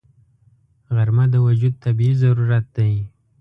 غرمه د وجود طبیعي ضرورت دی